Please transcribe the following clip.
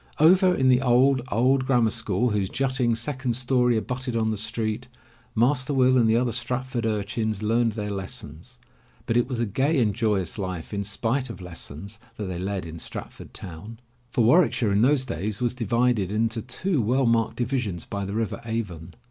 Over in the old, old grammar school, whose jutting second story abutted on the street. Master Will and the other Stratford ur chins learned their lessons, but it was a gay and joyous life, in spite of lessons, that they led in Stratford town. For Warwick shire in those days was divided into two well marked divisions by the river Avon.